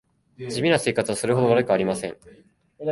地味な生活はそれほど悪くはありません